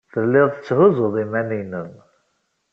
Tellid tetthuzzud iman-nnem.